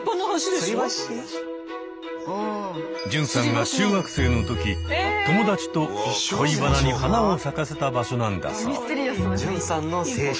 純さんが中学生の時友達と恋バナに花を咲かせた場所なんだそう。